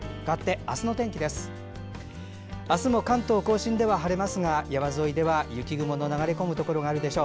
明日も関東・甲信では晴れますが山沿いでは雪雲の流れ込むところがあるでしょう。